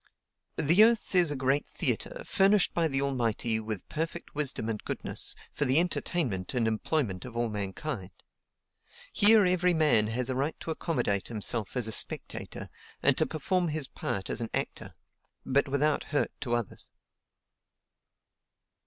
"The earth is a great theatre, furnished by the Almighty, with perfect wisdom and goodness, for the entertainment and employment of all mankind. Here every man has a right to accommodate himself as a spectator, and to perform his part as an actor; but without hurt to others."